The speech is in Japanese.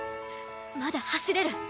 まだ走れる！